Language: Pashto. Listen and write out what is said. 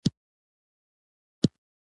ترڅو په چين کې خپل سيمه ييز سفارتونه پرانيزي